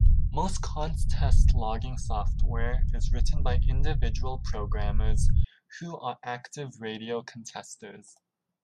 Most contest logging software is written by individual programmers who are active radio contesters.